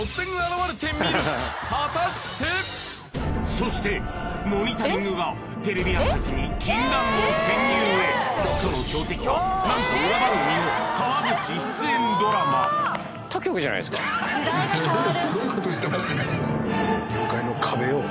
そしてモニタリングがテレビ朝日に禁断の潜入へその標的は何と裏番組の川口出演ドラマ今夜こんにちは。